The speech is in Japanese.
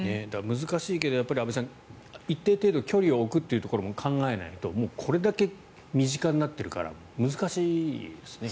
難しいけど安部さん一定程度距離を置くところも考えないとこれだけ身近になってるから難しいですね。